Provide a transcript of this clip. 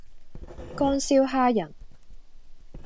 乾燒蝦仁